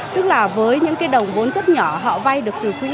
tức là với những cái đồng vốn rất nhỏ họ vay được từ quỹ